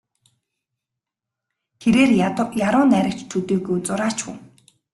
Тэрээр яруу найрагч төдийгүй зураач хүн.